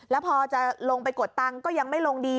แล้วพอจะลงไปกดตังค์ก็ยังไม่ลงดี